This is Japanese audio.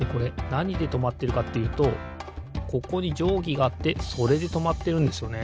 なにでとまってるかっていうとここにじょうぎがあってそれでとまってるんですよね。